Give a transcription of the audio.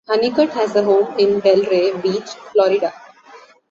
Hunnicutt has a home in Delray Beach, Florida.